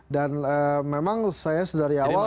dan memang saya dari awal